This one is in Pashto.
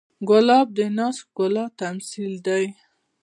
ګلاب د ناز ښکلا تمثیل دی.